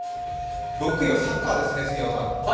６位はサッカーですね、杉山さん。